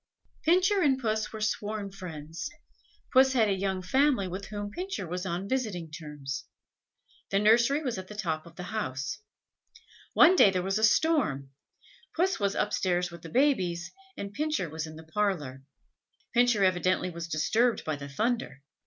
Pincher and Puss were sworn friends. Puss had a young family, with whom Pincher was on visiting terms. The nursery was at the top of the house. One day there was a storm; Puss was upstairs with the babies, and Pincher was in the parlour. Pincher evidently was disturbed by the thunder.